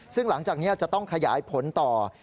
ซึ่งหลังจากนี้จะต้องขยายผลต่อ